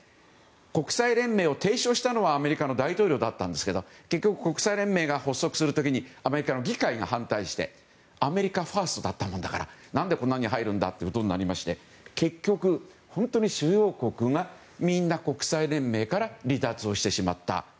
国際連盟を提唱したのはアメリカの大統領でしたが結局、国際連盟が発足する時にアメリカの議会が反対してアメリカファーストだったものだから何でこんなのに入るんだってことになりまして結局、本当に主要国がみんな国際連盟から離脱をしてしまった。